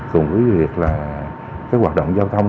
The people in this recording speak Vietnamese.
cùng với việc là cái hoạt động giao thông